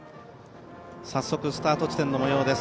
早速スタート地点の模様です。